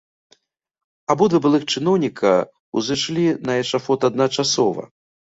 Абодва былых чыноўніка узышлі на эшафот адначасова.